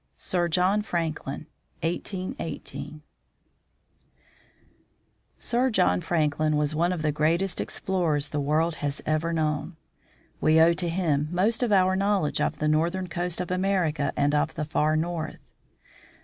II. SIR JOHN FRANKLIN Sir John Franklin was one of the greatest explorers the world has ever known. We owe to him most of our knowledge of the northern coast of America and of the far North.